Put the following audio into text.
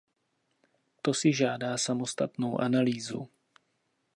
To si žádá samostatnou analýzu.